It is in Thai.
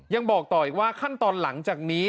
ยังบอกต่ออีกว่าขั้นตอนหลังจากนี้